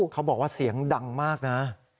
เขาบอกว่าเสียงดังมากนะ